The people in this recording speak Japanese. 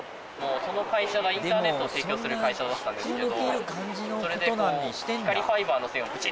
その会社がインターネットを提供する会社だったんですけど。